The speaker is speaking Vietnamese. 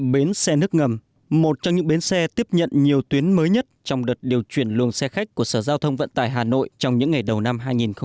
bến xe nước ngầm một trong những bến xe tiếp nhận nhiều tuyến mới nhất trong đợt điều chuyển luồng xe khách của sở giao thông vận tải hà nội trong những ngày đầu năm hai nghìn hai mươi